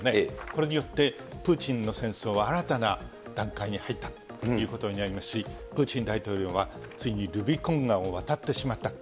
これによってプーチンの戦争は新たな段階に入ったということになりますし、プーチン大統領はついにルビコン川を渡ってしまったと。